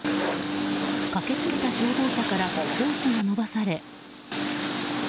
駆けつけた消防車からホースが伸ばされ。